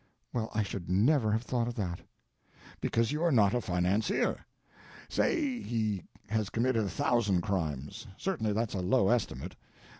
"Well, I should never have thought of that." "Because you are not a financier. Say he has committed a thousand crimes. Certainly that's a low estimate.